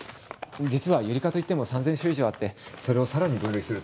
実はユリ科といっても３，０００種以上あってそれを更に分類すると。